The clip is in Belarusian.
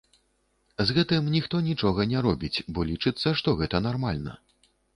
З гэтым ніхто нічога не робіць, бо лічыцца, што гэта нармальна.